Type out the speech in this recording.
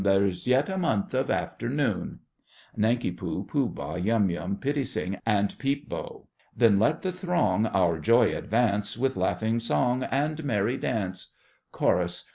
There's yet a month of afternoon! NANKI POO, POOH BAH, YUM YUM, PITTI SING, and PEEP BO. Then let the throng Our joy advance, With laughing song And merry dance, CHORUS.